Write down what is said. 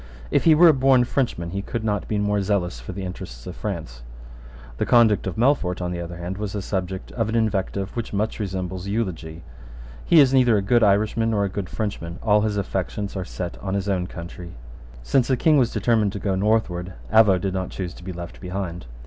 "If he were a born Frenchman he could not be more zealous for the interests of France." The conduct of Melfort, on the other hand, was the subject of an invective which much resembles eulogy: "He is neither a good Irishman nor a good Frenchman. All his affections are set on his own country." Since the King was determined to go northward, Avaux did not choose to be left behind.